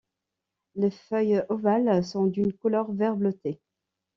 Les feuilles ovales sont d'une couleur vert bleuté.